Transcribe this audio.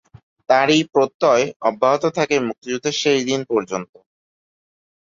তার এই প্রত্যয় অব্যাহত থাকে মুক্তিযুদ্ধের শেষ দিন পর্যন্ত।